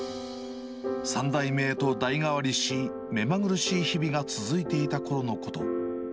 ３代目へと代替わりし、目まぐるしい日々が続いていたころのこと。